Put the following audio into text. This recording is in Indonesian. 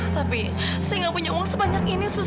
tapi saya tidak punya uang sebanyak ini sus